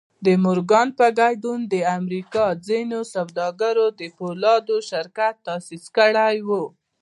د مورګان په ګډون د امريکا ځينو سوداګرو د پولادو شرکت تاسيس کړی و.